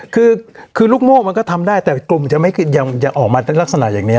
คือลูกโม่มันก็ทำได้แต่กลุ่มจะไม่ออกมาลักษณะอย่างนี้